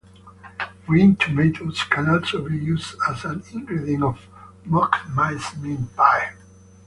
Green tomatoes can also be used as an ingredient of "mock mincemeat" pie.